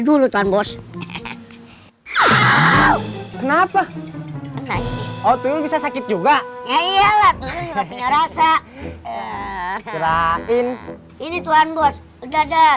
dulu tanpa kenapa otom bisa sakit juga ya iyalah punya rasa kirain ini tuhan bos udah